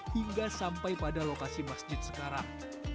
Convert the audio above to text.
hingga sampai pada lokasi masjid sekarang